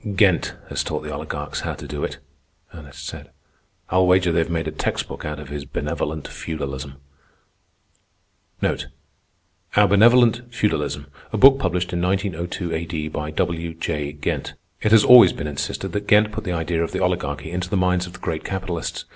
"Ghent has taught the oligarchs how to do it," Ernest said. "I'll wager they've made a text book out of his 'Benevolent Feudalism.'" "Our Benevolent Feudalism," a book published in 1902 A.D., by W. J. Ghent. It has always been insisted that Ghent put the idea of the Oligarchy into the minds of the great capitalists.